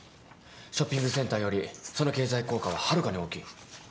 ショッピングセンターよりその経済効果ははるかに大きい。